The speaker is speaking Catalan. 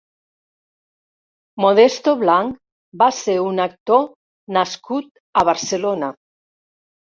Modesto Blanch va ser un actor nascut a Barcelona.